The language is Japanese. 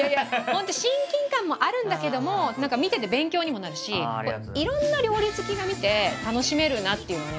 本当親近感もあるんだけども何か見てて勉強にもなるしいろんな料理好きが見て楽しめるなっていうのはね